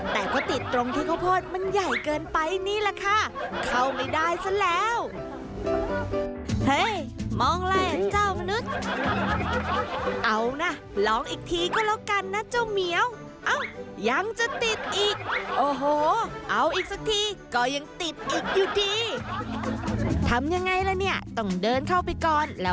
แต่พอติดตรงที่เขาพูดมันใหญ่เกินไปนี่แหละค่ะ